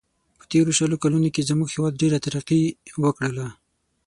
په تېرو شلو کلونو کې زموږ هیواد ډېره ترقي و کړله.